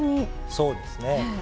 そうですね。